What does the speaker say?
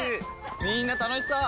みんな楽しそう！